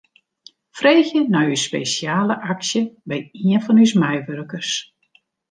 Freegje nei ús spesjale aksje by ien fan ús meiwurkers.